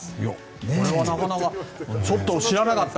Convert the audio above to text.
これはなかなかちょっと知らなかった。